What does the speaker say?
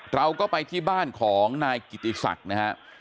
เราก็ไปที่บ้านของนายกิติศักดิ์นะครับ